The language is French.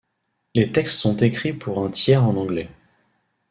Les textes sont écrits pour un tiers en anglais.